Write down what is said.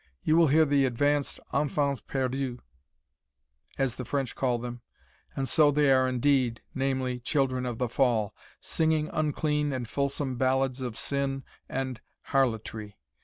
You will hear the advanced enfans perdus, as the French call them, and so they are indeed, namely, children of the fall, singing unclean and fulsome ballads of sin and harlotrie.